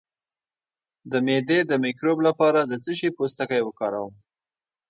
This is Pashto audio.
د معدې د مکروب لپاره د څه شي پوستکی وکاروم؟